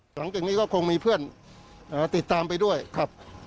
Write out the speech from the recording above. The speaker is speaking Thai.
หลังจากนี้ก็คงมีเพื่อนติดตามไปด้วยครับ